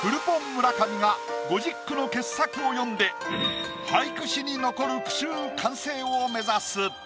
村上が５０句の傑作を詠んで俳句史に残る句集完成を目指す。